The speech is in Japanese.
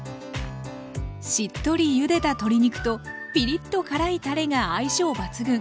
しっとりゆでた鶏肉とピリッと辛いたれが相性抜群。